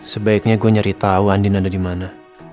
sebaiknya gua nyari tau andin ada dimana